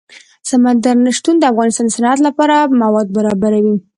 سمندر نه شتون د افغانستان د صنعت لپاره مواد برابروي.